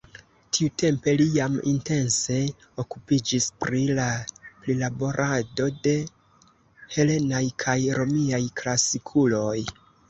Tiutempe li jam intense okupiĝis pri la prilaborado de helenaj kaj romiaj klasikuloj.